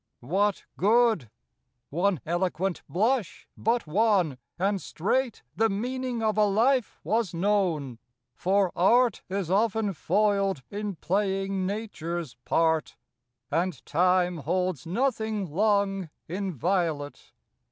What good ? One eloquent blush, but one, and straight The meaning of a life was known; for art Is often foiled in playing nature's part, And time holds nothing long inviolate.